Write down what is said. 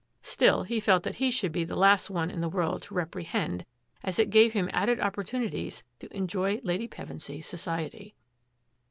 Still, he felt that he should be the last one in the world to reprehend as it gave him added opportunities to enjoy Lady Pevensy's society.